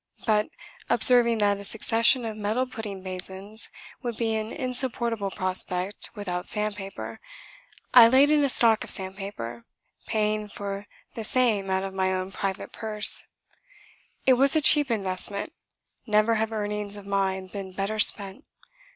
But, observing that a succession of metal pudding basins would be an insupportable prospect without sandpaper, I laid in a stock of sandpaper, paying for the same out of my own private purse. It was a cheap investment. Never have earnings of mine been better spent.